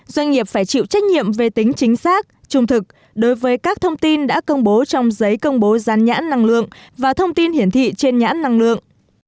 doanh nghiệp phải chịu trách nhiệm về tính chính xác trung thực đối với các thông tin đã công bố trong giấy công bố gián nhãn năng lượng và thông tin hiển thị trên nhãn năng lượng